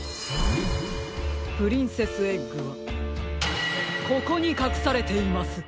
プリンセスエッグはここにかくされています！